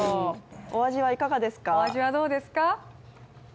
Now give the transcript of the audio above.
お味はいかがですか？